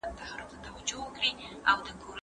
حقوقو پوهنځۍ بې اسنادو نه ثبت کیږي.